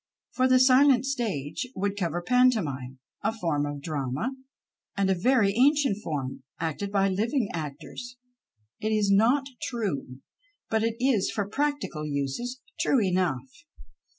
For the " silent stage " would cover pantomime, a form of drama, and a very ancient form, acted by living actors. It is not true, but it is for practical uses true enough.